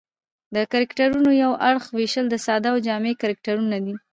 د کرکټرونو یو اړخ وېشل د ساده او جامع کرکټرونه دي.